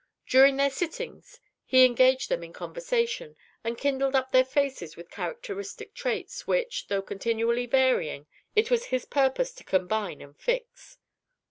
During their sittings, he engaged them in conversation, and kindled up their faces with characteristic traits, which, though continually varying, it was his purpose to combine and fix.